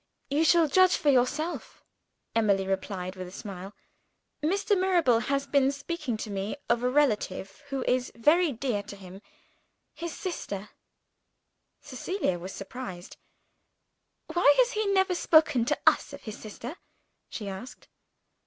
"You shall judge for yourself," Emily replied with a smile. "Mr. Mirabel has been speaking to me of a relative who is very dear to him his sister." Cecilia was surprised. "Why has he never spoken to us of his sister?" she asked.